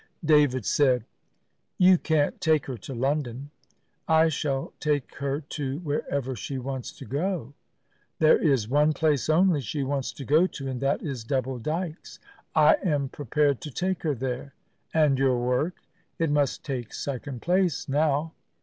David said, "You can't take her to London." "I shall take her to wherever she wants to go." "There is one place only she wants to go to, and that is Double Dykes." "I am prepared to take her there." "And your work?" "It must take second place now.